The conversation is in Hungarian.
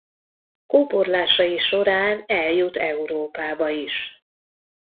Kóborlásai során eljut Európába is.